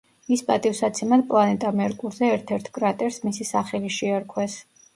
მის პატივსაცემად პლანეტა მერკურზე ერთ-ერთ კრატერს მისი სახელი შეარქვეს.